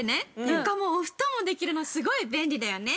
床もお布団もできるのすごい便利だよね！